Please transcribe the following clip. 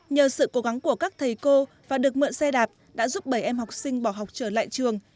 nhờ sự cố gắng của các thầy cô và được mượn xe đạp đã giúp bảy em học sinh bỏ học trở lại trường